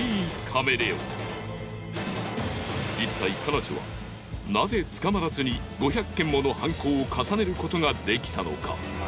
いったい彼女はなぜ捕まらずに５００件もの犯行を重ねることができたのか？